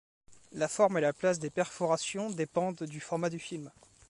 La forme et la place des perforations dépendent du format du film.